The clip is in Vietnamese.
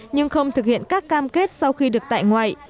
nhưng không thực hiện các cam kết sau khi được tại ngoại